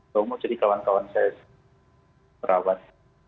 komo jadi kawan kawan saya merawat